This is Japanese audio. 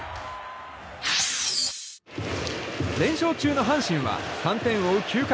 連勝中の阪神は３点を追う９回。